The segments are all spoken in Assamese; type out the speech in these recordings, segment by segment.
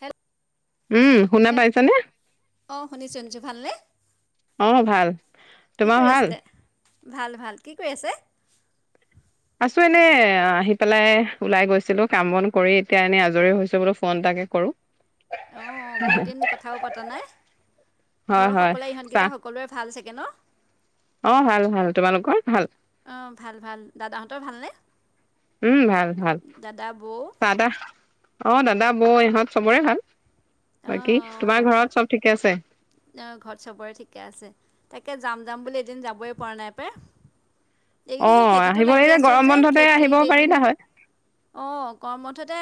হেল্ল উম, শুনা হে পাইছানে? অ শুনিছো শুনিছো ভাল নে? অ ভাল। কি তোমাৰ কৰি ভাল? আছিলে? ভাল ভাল। কি কৰি আছে? আছো এনেই আহি পেলাই ওলাই গৈছিলো কাম বন কৰি এতিয়া এনে আজৰি হৈছো বোলো ফোন এটাকে কৰো। [inaudible] অ বহুত দিন কথাও পতা নাই হয়, ঘৰৰ হয়। সকলোৱে চাহ ইহঁতকেইটা সকলোৰে ভাল চাগ- কে ন? অ ভাল ভাল। তোমালোকৰ ভাল? অ ভাল ভাল। দাদাহঁতৰ ভাল নে? উম ভাল ভাল, বৌ চাহ তাহ, অ দাদা বৌ ইহঁত চবৰে ভাল। অঁ বাকি তোমাৰ ঘৰত চব ঠিকে আছে? অ ঘৰত চবৰে ঠিকে আছে। তাকে যাম যাম বুলি এদিন যাবই পৰা নাই পাই। এইকেইদিন সেই অ' খেতিটো আহিব এই লাগি আছো গৰম যে বন্ধতে আহিব খেতিত পাৰিলা এইকেইদিন হয়। অহ গৰম বন্ধতে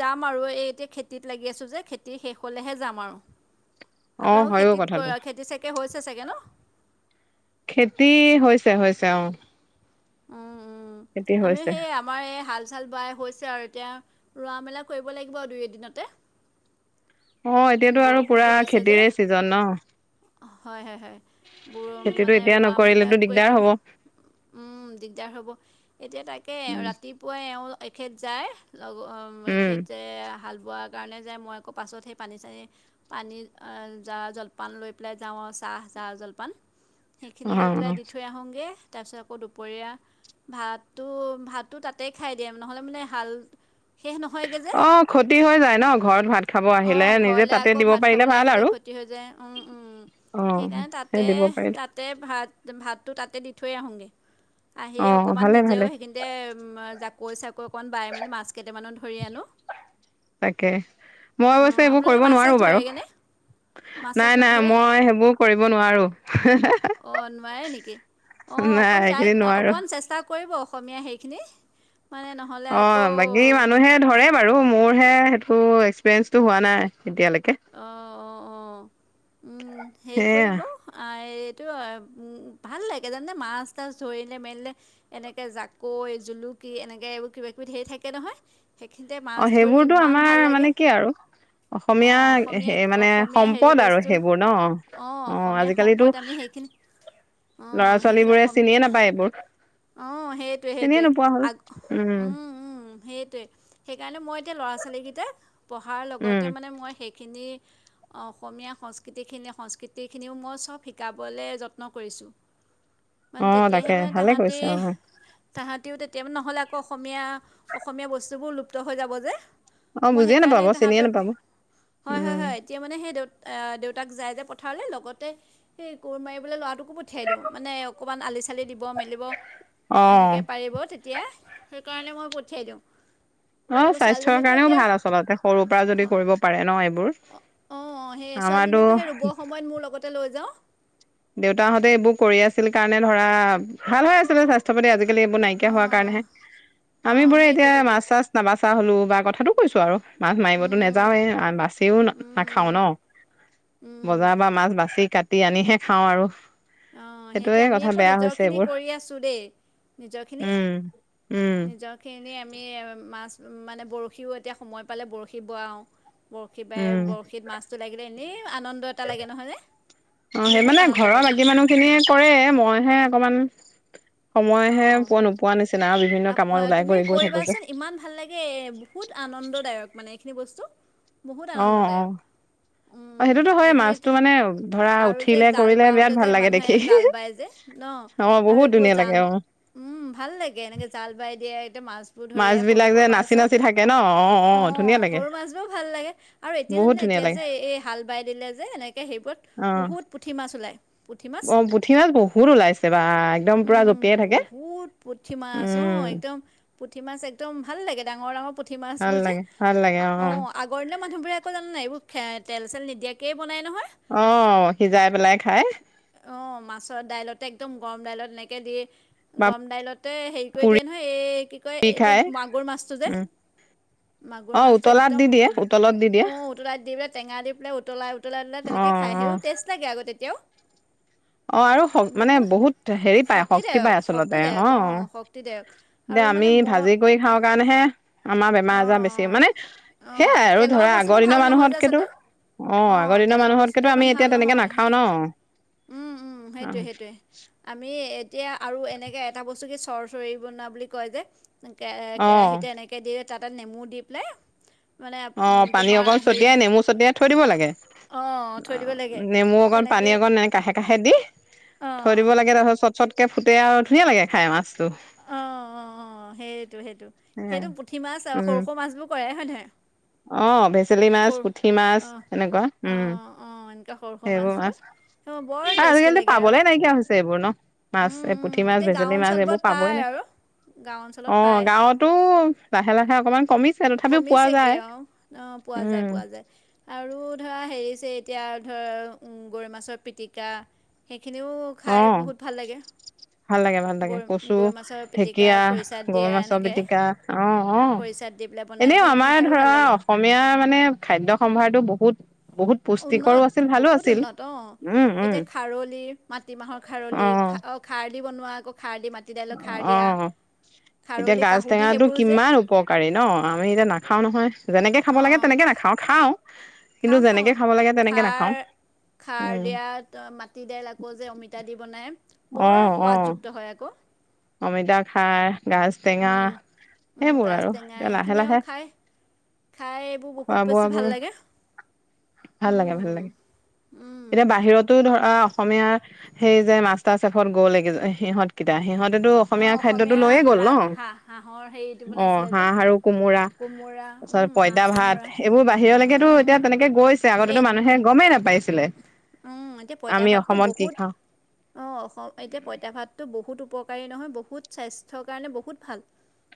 যাম আৰু এই এতিয়া খেতিত লাগি আছো যে খেতি শেষ হ'লেহে যাম আৰু। অ' আপোনালোকৰ হয়ও খেতিত কথাটো। খেতি চাগে হৈছে চাগে ন? খেতি হৈছে হৈছে অ। উম খেতি উম আমিও হৈছে। সেই আপ- আমাৰ এই হাল চাল বাই হৈছে আৰু এতিয়া ৰোৱা মেলা কৰিব লাগিব দুই এদিনতে অ এতিয়াতো আৰু পুৰা বৰষুণটো দিছে যে খেতিৰে ছিজন ন? হয় হয় হয় বোৰ খেতিটো মানে এতিয়া ৰোৱা মেলা নকৰিলেতো দিগদাৰ কৰিবন হ'ব। দিগদাৰ হ'ব এতিয়া তাকে উম, ৰাতিপুৱাই এও এখেত যায়। লগতে উম। এখেতে হাল বোৱাৰ কাৰণে যায় মই আকৌ পাছত সেই পানী চানী পানী জা জলপান লৈ পেলাই যাওঁ আৰু চাহ জাহ জলপান। সেইখিনি লৈ পেলাই অ', দি থৈ আহোঁগৈ তাছপ আকৌ দুপৰীয়া ভাতটো ভাতটো তাতেই খাই দিয়ে নহ'লে মানে হাল শেষ নহয় গে যে অ', ক্ষতি হৈ যায় ন' ঘৰত ভাত খাব অ আহিলে নিজে ঘৰলে তাতে আকৌ দিব ভাত পাৰিলে খাবলে ভাল আহিলে আৰু। ঘত তে হৈ যায় ও ওম অ', সেইকাৰণে সেই তাতে দিব তাত পাৰিলে তাত তাতে ভাত, ভাতটো তাতে দি থৈ আহোঁংগে। আহি অ', অকণমান ভালে নিজেও ভালে সেইখিনিতে জাকৈ চাকৈ অকণমান বাই মেলি মাছ কেইটামানো ধ- ধৰি আনো, তাকে। মই অৱশ্যে এইবোৰ আপোলোকে কৰিব মাছ নোৱাৰো চাছ বাৰু ধৰেগে নে? মাছ চাছ নাই নাই নধৰে? মই সেইবোৰ কৰিব নোৱাৰো। অহ নোৱাৰে নেকি? অ নাই অকণ ট্ৰাই এইকেইদিন নোৱাৰো অকণ চেষ্টা কৰিব অসমীয়া সেইখিনি মানে ন- অ বাকি মানুহে ধৰে বাৰু মোৰ হে সেইটো এক্সপিৰিয়েঞ্চটো হোৱা নাই এতিয়ালেকে। অ অ অ উম হেৰি সেয়া কৰিব এইটো ভাল লাগে জানে মাছ তাছ ধৰিলে মেৰিলে। এনেকে জাকৈ, জুলুকি, এনেকে এইবোৰ কিবা কিবি সেৰি থাকে নহয়। সেইখিনিতে মাছ, অ', ধৰি সেইবোৰতো ইমান আমাৰ ভাল মানে লাগে। কি আৰু অ অসমীয়া অসমীয় সেই মানে অসমীয়া হেৰি সম্পদ আৰু বস্তু সেইবোৰ ন'। অ অসমীয়া সম্পদ আমি সেই খিনি- ল'ৰা ছোৱালীবোৰে চিনিয়ে নাপায় এইবোৰ। অ সেইটোৱে চিনিয়ে সেইটোৱে নোপোৱা হ'ল। আগ উম, উ উ সেইটোৱে সেইকাৰণে মই এতিয়া ল'ৰা ছোৱালীকেইটাক পঢ়াৰ উম, লগতে মানে মই সেইখিনি অ অসমীয়া সংস্কৃতিখিনি, সংস্কৃতিখিনিও মই চব শিকাবলৈ যত্ন কৰিছোঁ। অ মানে তেতিয়াহে তাকে মানে ভালে তাহাঁতি কৈছে, অ। তাহাঁতিও তেতিয়া নহ'লে আকৌ অসমীয়া অসমীয়া বস্তুবোৰ লুপ্ত হৈ যাব যে। অ', মই বুজিয়ে নাপাব সেইকাৰণে চিনিয়ে তাহাঁতক নাপাব। হয় হয় উম, হয় এতিয়া মানে সেই দেউত দেউতাক যায় যে পথাৰলৈ লগতে সেই কোৰ মাৰিবলৈ ল'ৰাটোকো পঠিয়াই দিওঁ মানে অকণমান আলি চালি দিব মেলিব অ', সেনেকে পাৰিব তেতিয়া সেইকাৰণে মই পঠিয়াই দিওঁ। অ আকৌ স্বাস্থ্যৰ ছোৱালীজনীকো কাৰণেও এতিয়া ভাল আচলতে সৰুৰ পৰা যদি কৰিব পাৰে ন এইবোৰ। অ'অ'অ', সেই আমাৰতো ছোৱালীজনীকো সেই ৰুবৰ সময়ত মোৰ লগতে লৈ যাওঁ। দেউতাহঁতে এইবোৰ কৰি আছিল কাৰণে ধৰা ভাল হৈ আছিলে সাস তাপ [unintelligible] আজিকালি এইবোৰ নাইকিয়া হোৱাৰ অঁ কাৰণেহে, আমি অঁ বোৰে সেইটোৱে এতিয়া সেইটোৱে মাছ-চাছ নাবাচা হলো বা কথাতটো কৈছো আৰু মাছ মাৰিবতো নাযাওঁৱেই [unintelligible] বাচিও নাখাওঁ ন। বজাৰৰ পৰা মাছ বাচি কাটি আনিহে খাওঁ আৰু। অ' সেইটোৱে সেইটোয়ে আমি কথা আকৌ বেয়া নিজৰ হৈছে খিনি এইবোৰ কৰি আছো দেই। নিজৰখিনি, উম, উম, নিজৰ খিনি আমি মাছ মানে বৰশীও এতিয়া সময় পালে বৰশী বোৱাওঁ বৰশী বাই উম। বৰশীত মাছটো লাগিলে এনেই আনন্দত [unintelligible] এটা লাগে নহয়নে, বহুত আনন্দ লাগে। স [unintelligible] খিনিয়ে কৰে, মইহে অকমান, সময়হে অঁ পোৱা নোপ পোৱা নিচিনা, বিভিন্ন আপ কামত আ, ওলাই তুমি কৰি গৈ থাকো যে। কৰিবাচোন ইমান ভাল লাগে তাকে বহুত আনন্দদায়ক মানে এইখিনি বস্তু, বহুত অ অ আনন্দদায়ক। অ উম সেইটোতো হয় এইখিনিত, মাছটো মানে ধৰা আৰু যে উঠিলে জাল কৰিলে বিৰাট বাওতে যে ভাল লাগে মানুহে দেখি জাল বায় যে ন, অ আৰু বহুত এইবোৰ ধুনীয়া [unintelligible] লাগে জাল অ ভাল লাগে এনেকৈ জাল বাই দিয়ে একদম মাছ বোৰ ধৰি সৰু বিলাক যে সৰু নাচি মাছ, [unintelligible] নাচি থাকে ন অ ধুনীয়া অ' লাগে সৰু মাছবোৰ ভাল লাগে আৰু এতিয়া [unintelligible] বহুত যোনে, ধুনীয়া এতিয়া লাগে যে এই হাল বাই দিলে যে, এনেকে সেইবোৰত, অ বহুত পুঠি মাছ ওলায়। পুঠি মাছ অ' পুঠি মাছ বহুত ওলাইছে, বা একদম পুৰা উম, জপিয়াই থাকে, বহুত পুঠি মাছ অঁ উম। একদম পুঠি মাছ একদম ভাল লাগে, ডাঙৰ-ডাঙৰ পুঠি মাছ ভাল বোৰ যে, লাগে ভাল লাগে অ', আ [unintelligible] আগৰ দীনৰ মানুহবোৰোকো জানাই, [unintelligible] এইবোৰ খ তেল-চেল নিদিয়াকেইে বনাই নহয়। অ' সিজাই পেলাই খাই। অ' মাছৰ দাইলতে একদম গৰম দাইলত এনেকে দি, বা গৰম দাইলতে হে [unintelligible] ক দিয়ে পুৰি নহয়, এই কি কয় এইটো খাই মাগুৰ মাছটো যে উম মাগুৰ অ মাছটো উতলাত দি একদম, দিয়ে উতলত দি দিয়ে উ উতলাই দি পেলাই টেঙা দি পেলাই উতলাই উতলাই দিলাই অ তেনেকৈ খাই অ সে টেষ্ট লাগে আকৌ, তেতিয়াওঁ। অ' আৰু মানে বহুত হেৰি পায়, শক্তি পায় আচলতে, অ'। শক্তিদিয়ক দে আমি ভাজি কৰি খাওঁ কাৰণেহে। আমাৰ অঁ বেমাৰ আজাৰ বেছি অঁ মানে, অঁ সেয়াই আৰু তেলৰ ধৰা বস্তুটো আগৰ ভাল দিনৰ নহয় যে মানুহতকেতো আচলতে অ' অঁ আগৰ দিনৰ তেলৰ বস্তুটো মানুহতকেতো ইমান আমি ভাল এতিয়া তেনেকে নহয় নাখাওঁ সেই ন। উম উম অ সেইটোৱে [unintelligible] সেইটোৱে আমি এতিয়া আৰু এনেকে এটা বস্তু কি চৰ-চৰি বনা বুলি কয় যে অ কেৰাহীতে এনেকৈ দি তাতে নেমু দি পেলাই মানে অ' পানী তোমাৰ অকণ হেৰি ছটিয়াই নেমু ছটিয়াই থৈ দিব লাগে। অঁ থৈ দিব লাগে নেমু অকণ, পানী তেনেকৈ অকণ নাই কাষে-কাষে দি থৈ অঁ দিব লাগে তাৰপাছত চট চটকে ফুটে আৰু, ধুনীয়া লাগে খাই মাছ। অ', অ-অ সেইটো সেইটো, সেইটো পুঠি মাছ আৰু উম সৰু-সৰু মাছবোৰ কৰে হয় নহয়। অ' ভেচেলি মাছ, সৰু পুঠি মাছ, এনেকুৱা, উম। এ সৰু-সৰু সেইবোৰ মাছবোৰ মাছ অ', বৰ টেষ্টি আজিকালিতো লাগে আৰু পাবলে নাইকিয়া হৈছে এইবোৰ ন, উম, মাছ, এই উম, পুঠি মাছ, এতিয়া গাঁও ভেছেলি মাছ, অঞ্চলবোৰত এইবোৰ পা পাবয়ে পায় নাই। আৰু। গাঁও অঞ্চলত অ' পায়, গাঁৱতো লাহে লাহে অকণমান কমিছে, তথাপিও পোৱা কমিছেগে যায়। আৰু অ' পোৱা যায় উম পোৱা যায় আৰু ধৰা হেৰি-ছেৰি এতিয়া ধৰ গৰৈ মাছৰ পিটিকা, সেইখিনিও খাই অ' বহুত ভাল লাগে, ভাল লাগে, ভাল লাগে গৰৈ কচ, গৰৈ মাছৰ পিটিকা ঢেকীয়া, খৰিচাত গৰৈ দিয়া মাছৰ এনেকে। পিটিকা, অ' অ। খৰিচাত দি পেলাই বনাই এনেও যে সেইখিনি আমাৰ খায়ো ধৰা ভাল লাগে, অসমীয়া মানে, খাদ্য সম্ভাৰটো বহুত বহুত পুষ্টিকৰো উন্নত আছিল, ভালো বহুত আছিল, উন্নত অ'। উম-উম। এতিয়া খাৰলি, মাটিমাহৰ খাৰলি খা অ খাৰ দি বনোৱা আকৌ খাৰলি মা দাইলৰ খাৰ অ। দিয়া। এতিয়া গাজ কাহুদি টেঙাটো সেইবোৰ যে কিমান উপকাৰী ন, আমি এতিয়া নাখাওঁ নহয় যেনেকে খাব লাগে অঁ তেনেকে নাখাওঁ। খাওঁ। কিন্তু খাওঁ যেনেকে খাওঁ, খাব লাগে তেনেকে খাৰ খাৰ উম দিয়াত মাটি দাইল আকৌ যে অমিতা দি বনাই, বৰ অ', অ', সোৱাদযুক্ত হয় আকৌ। অমিতা খাৰ, গাজ টেঙা উম, উম, সেইবোৰ গাজ আৰু টেঙা এতিয়া লাহে সেইখিনি - আৰু লাহে খাই খাই এইবোৰ খোৱা বহুত বেছি বোৱাবোৰ ভাল লাগে। ভাল লাগে ভাল উম, লাগে। উম, এতিয়া বাহিৰতো ধৰা অসমীয়া সেই যে মাষ্টাৰ চেফত গ'ল যে সিহঁত কিটা সিহঁতেটো অসমীয়া অঁ খাদ্যটো লৈয়ে গ'ল ৰা ন, হাঁহ হাঁহৰ হেৰিটো অ বনাইছিলে যে হাঁহ আৰু কোমোৰা। কোমোৰা পিছত উম, হাঁহ পইতা ভাত কোমোৰা এইবোৰ উম, বাহিৰলৈকেতো উম, এতিয়া তেনেকে গৈছ চে এই আগতেতো মানুহে গমেই নাপাইছিলে। উম, এতিয়া পঁইতা আমি ভাতটো অসমত কি বহুত খাওঁ অঁ অসম এতিয়া পঁইতা ভাতটো বহুত উপকাৰী নহয় বহুত স্বাস্থ্যৰ কাৰণে বহুত ভাল।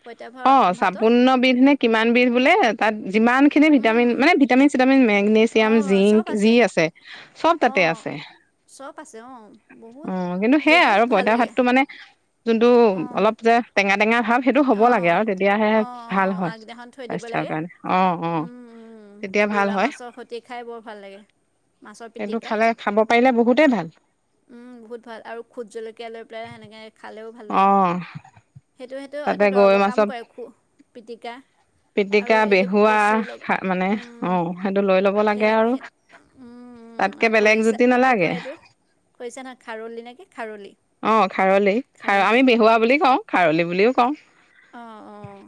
পঁইতা ভা অ ভাতত চাপোন্নবিধ নে কিমানবিধ বোলে তাত যিমানখিনি ভিটামিন উম, মানে ভিটামিন - চিটামিন মেগনেছিয়াম, অঁ জিংক চব যি আছে চব তাতে অঁ আছে। চব আছে অঁ অ বহুত কিন্তু সেইয়াই বহুত আৰু ভাল পঁইতা লাগে ভাতটো মানে যোনটো অঁ অলপ যে টেঙা - টেঙা ভাৱ সেইটো হ'ব লা অঁ য়াও তেতিয়াহে অঁ ভাল অঁ হয় আগদিনাখন থৈ দিব স্বাস্থ্যৰ লাগে কাৰণে, অ অ তেতিয়া ভাল হয়। টি খাই বৰ ভাল লাগে। মাছৰ সেইটো পিটিকা খালে খাব পাৰিলে বহুতেই ভাল। উম, বহুত ভাল আৰু ভূত জলকীয়া লৈ পায় সেনেকে খালেও ভাল অ লাগে, সেইটো তেওঁ তাতে এটা গৰৈ দৰৱৰ কাম মাছৰ কৰে খু পিতিকা। পিটিকা আৰু এইটো বেহুৱা কচু লগ খা মানে অ উম সেইটো লৈ ল'ব লাগে সেই আৰু সে উম উম তাতকে আৰু বেলেগ খৰিছে জুতি কি নালাগে কয় এইটো? খৈছা না খাৰলি নেকি খাৰলি অ', খাৰলি খাৰ আমি খাৰলি বেহুৱা বুলি উম। কওঁ খাৰলি বুলিও কওঁ। অঁ অঁ।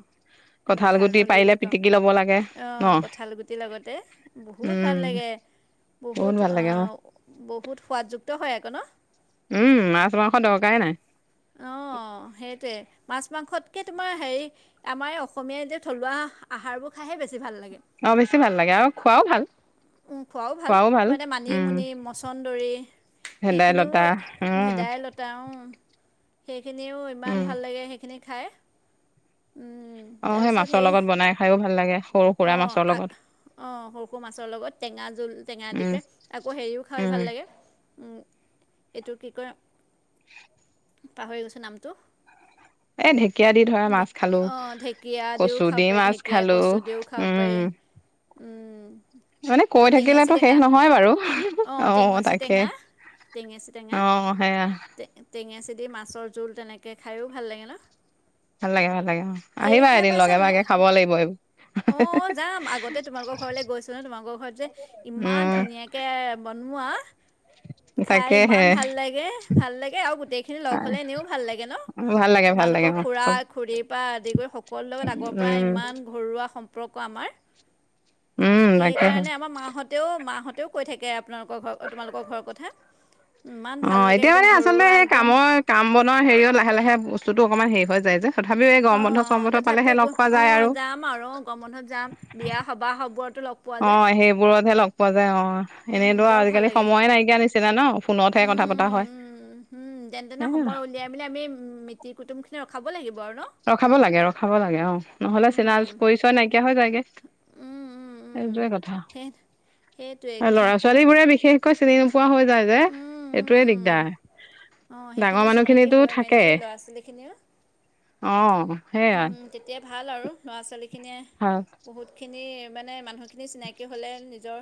আমি কঁঠাল গুটি খাৰলি পাৰিলে বুলি কওঁ, পিটিকি ল'ব লাগে ন অঁ কঁঠাল গুটিৰ লগতে বহুত উম ভাল লাগে। বহুত ভাল লাগে অ', আও বহুত সোৱাদযুক্ত হয় আকৌ ন। উম মাছ - মাংস দৰকাৰেই নাই। অ সেইটোৱে মাছ - মাংসতকে তোমাৰ হেৰি আমাৰ এই অসমীয়া যে থলুৱা আহাৰবোৰ খাইহে বেছি ভাল লাগে। অ', বেছি ভাল লাগে আৰু খোৱাও ভাল উম খোৱাও ভাল, তোমাৰ এতিয়া মানিমুনি, মছন্দৰী সেইখিনিও ভেদাইলতা উম ভেদাই লতাও সেইখিনিও ইমান উম ভাল লাগে সেইখিনি খাই। অ সেই মাছৰ লগত বনাই খাইও ভাল লাগে সৰু - সুৰা মাছৰ লগত। অ সৰু - সৰু মাছৰ লগত টেঙা জোল টেঙা দি উম পেলাই আকৌ হেৰিও খাই উম ভাল লাগে উম এইটো কি কয় পাহৰি গৈছোঁ নামটো। এই ঢেকীয়া দি ধৰা ঢে মাছ খালো অ ঢেকীয়া দিওঁ কচু দি খাব পাৰি, মাছ ঢেকীয়া, খালো কচু দিও খাব উম পাৰি। উ'ম। মানে আকৌ কৈ টেঙেচি থাকিলেতো শেষ টেঙা নহয় বাৰু হুহু অ তাকে। টেঙেচ তেঙ অ সেয়া। টে টেঙেচি দি মাছৰ জোল তেনেকৈ খায়ো ভাল লাগে ন? ভাল লাগে ভাল লাগে অ, হেৰি আহিবা এদিন লগে ভাগে খাব লাগিব এইব অ যাম, আগতে তোমালোকৰ ঘৰলৈ গৈছো ন, তোমালোকৰ ঘৰত যে ইমান উম ধুনীয়া বনোৱা খাই তাকেহে ইমান ভাল লাগে ভাল লাগে আৰু গোটেই লগ হ'লে এনেও ভাল লাগে ন। ভাল লাগে ভাল লাগে তোমালোকৰ অ খুৰা চব খুৰীৰ পৰা আদি কৰি সকলো লগত আগৰ পৰা উম ইমান ঘৰুৱা সম্পৰ্ক আমাৰ। উম তাকেহে সেইকাৰণে আমাৰ মাহঁতেও-মাহঁতেও কৈ থাকে আপোনালোকৰ ঘৰ তোমালোকৰ ঘৰৰ কথা। ইমান অ ভাল লাগে এতিয়া মানে একদম আচলতে ঘৰুৱা সেই একদম। কামৰ কাম বন হেৰিঅত লাহে-লাহে বস্তুটো অকণমান হেৰি হৈ যায় যে। তথাপিও এই গৰম অঁ বন্ধ চম অঁ বন্ধ পালেহে তথাপিও গ লগ খোৱা যায় অঁ আৰু। যাম আৰু গ বন্ধত যাম বিয়া সবাহ সবো লগ পোৱা অ যায় সেইবোৰতহে লগ পোৱা যায় অ উম এনেইতো বৰ ভাল আজিকালি লাগে সময়ে নাইকিয়া নিছিলা ন। ফোনতহে উম কথা পতা উম হয়। উম উম যেনে তেনে সময় উলিয়াই মেলি আমি মিতিৰ কুটুমখিনি ৰখাব লাগিব আৰু ন। ৰখাব লাগে ৰখাব লাগে অ নহলে চিনা উম পৰিচয় নাইকিয়া হৈ যায়গে। উম উম উম সেটোৱে কথা সেই সেইটোৱেই আৰু কথা ল'ৰা ছোৱা ছোৱালী বোৰে বিশেষকৈ চিনি নোপোৱা হৈ যায় যে এইটোৱে দিগদাৰ। অ ডাঙৰ সেইখিনি চিনাকি মানুহখিনিতো হৈ থাকে মেলি ল'ৰা ছোৱালীখিনিও। অ সেইয়াই। উম তেতিয়া ভাল আৰু ল'ৰা ছোৱালীখিনিয়ে হয়। বহুতখিনি মানে মানুহখিনি চিনাকি হ'লে নিজৰ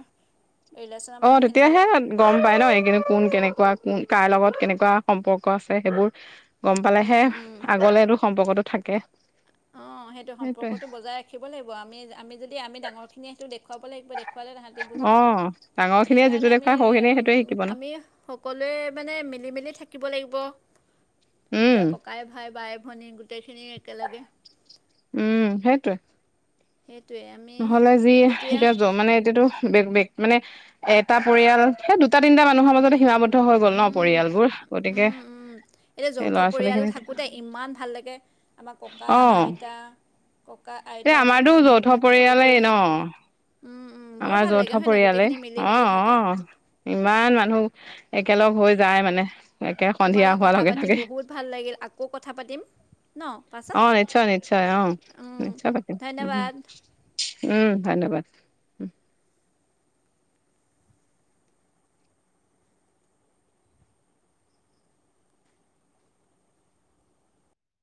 ৰিলেশ্যনৰ অ মানুহখিনিৰ তেতিয়াহে লগত গম পাই ন এই কিন্তু কোন কেনেকুৱা কোন কাৰ লগত কেনেকুৱা সম্পৰ্ক আছে সেইবোৰ। গম পালেহে উম আগলেতটো সম্পৰ্কতটো থাকে। অ সেইটো সেইটোৱে সম্পৰ্কটো বজাই ৰাখিব লাগিব আমি-আমি যদি আমি ডাঙৰখিনি সেইটো দেখুৱাব লাগিব দেখুৱালে তাহা বুজি পাব অ' ডাঙৰ খিনিয়ে যিটো সেইকাৰণে দেখুৱাই সৰু খিনিয়ে সেইটোৱে শিকিব ন আমি-আমি সকলোৱে মানে মিলি মেলি থাকিব লাগিব৷ উম নিজৰ ককাই ভাই বাইে ভনী গোটেইখিনি একেলগে৷ উম সেইটোৱে। সেইটোৱে আমি। নহ'লে যি এতিয়া য মানে এতিয়াতো বেক-বেক মানে এটা পৰিয়াল সেই দুটা তিনিটা মানুহৰ মাজতে সীমাৱত বদ্ধ হৈ গল ন উম পৰিয়ালবোৰ গতিকে উম উম এতিয়া এই যৌথ ল'ৰা ছোৱালী পৰিয়াল খিনিত থাকোঁতে ইমান ভাল লাগে আমাৰ ককা অ আইতা। ককা এই আইতাকে আমাৰতো যৌথ প্ৰমুখ্য পৰিয়ালেই কৰি ন উম৷ উম বৰ আমাৰ ভাল যৌথ লাগে হয় নাই পৰিয়ালে গোটেইখিনি মিলি মেলি থকা অ-অ৷ ইমান মানুহ একেলগ হৈ যায় মানে৷ একে তোমা সন্ধিয়া লগত হোৱাৰ কথা লগে পাতি লগে বহুত ভাল লাগিল আকৌ কথা পাতিম৷ ন পাঁচ অ নিশ্চয়-নিশ্চয় অ নিশ্চয় পতিম অ৷ ধন্যবাদ উম ধন্যবাদ